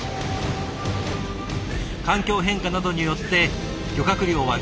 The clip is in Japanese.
環境変化などによって漁獲量は減少。